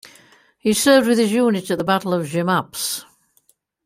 He served with his unit at the Battle of Jemappes.